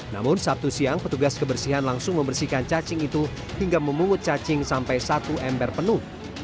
namun sabtu siang petugas kebersihan langsung membersihkan cacing itu hingga memungut cacing sampai satu ember penuh